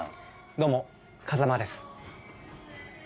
どうも風間です